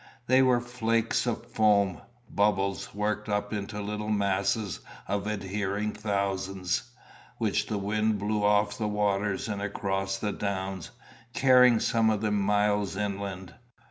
They were flakes of foam, bubbles worked up into little masses of adhering thousands, which the wind blew off the waters and across the downs, carrying some of them miles inland.